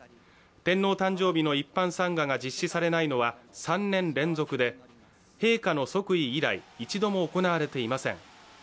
天皇誕生日の一般参賀が実施されないのは３年連続で陛下の即位以来、一度も行われていません。